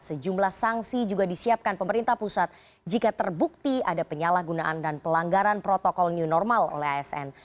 sejumlah sanksi juga disiapkan pemerintah pusat jika terbukti ada penyalahgunaan dan pelanggaran protokol new normal oleh asn